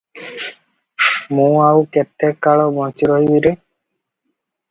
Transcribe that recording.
ମୁଁ ଆଉ କେତେ କାଳ ବଞ୍ଚି ରହିବି ରେ!